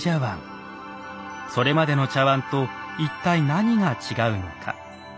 それまでの茶碗と一体何が違うのか。